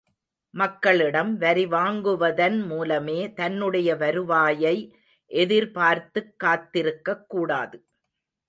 மக்களிடம் வரி வாங்குவதன் மூலமே தன்னுடைய வருவாயை எதிர்பார்த்துக் காத்திருக்கக் கூடாது.